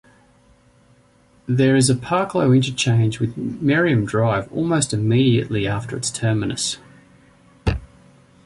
There is a Parclo Interchange with Merriam Drive almost immediately after its terminus.